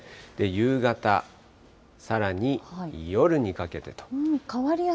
夕方、さらに夜にかけてと。